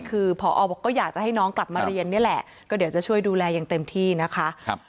คือพอบอกก็อยากจะให้น้องกลับมาเรียนนี่แหละก็เดี๋ยวจะช่วยดูแลอย่างเต็มที่นะคะ